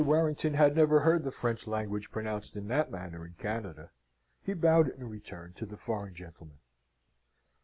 Warrington had never heard the French language pronounced in that manner in Canada. He bowed in return to the foreign gentleman.